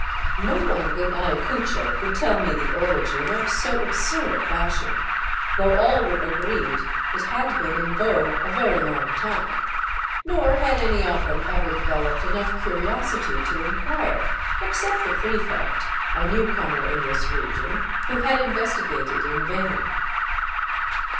No one in Ayacucho could tell me the origin of so absurd a fashion, though all were agreed it had been in vogue a very long time ; nor had any of them ever developed enough curiosity to enquire, except the prefect, a newcomer in this region, who had investigated in vain.